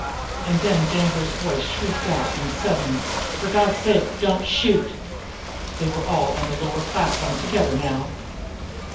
And then Danglar's voice shrieked out in sudden, "for God's sake, don't fire!" They were all on the lower platform together now.